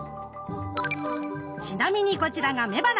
ちなみにこちらが雌花。